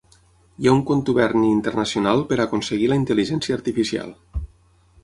Hi ha un contuberni internacional per a aconseguir la intel·ligència artificial.